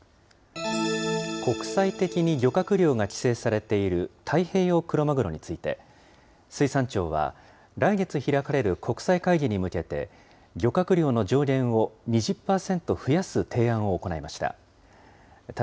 国際的に漁獲量が規制されている太平洋クロマグロについて、水産庁は、来月開かれる国際会議に向けて、漁獲量の上限を２０％増やす提案を行いました。